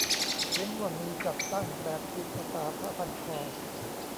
เว้นว่ามี "จัดตั้ง" แบบจิตอาสาผ้าพันคอ